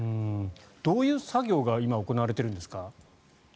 どういう作業が今、行われているんですか？